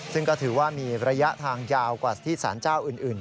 ซึ่งก็ถือว่ามีระยะทางยาวกว่าที่สารเจ้าอื่น